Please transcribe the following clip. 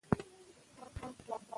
که نیت پاک وي نو کارونه سمېږي.